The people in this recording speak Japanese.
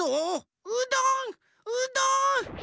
うどんうどん！